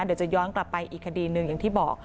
เดี๋ยวจะย้อนกลับไปอีกคดีหนึ่งอย่างที่บอก